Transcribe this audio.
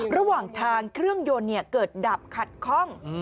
ระหว่างทางเครื่องยนต์เกิดดับขัดคล่อง